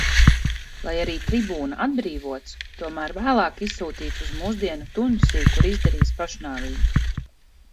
Lai arī tribūna atbrīvots, tomēr vēlāk izsūtīts uz mūsdienu Tunisiju, kur izdarījis pašnāvību.